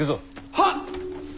はっ！